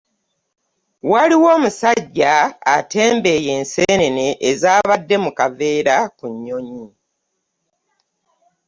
Waliwo omusajja atembeeya enseenene ezaabadde mu kaveera ku nnyonyi